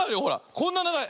こんなながい。